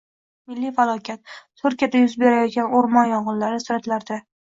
“Milliy falokat”: Turkiyada yuz berayotgan o‘rmon yong‘inlari — suratlarda